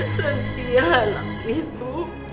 setia anak ibu